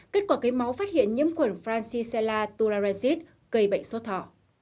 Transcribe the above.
kết quả cái máu phát hiện nhiễm khuẩn francisella tularensis cây bệnh sốt thỏ